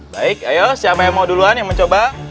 baik ayo siapa yang mau duluan yang mencoba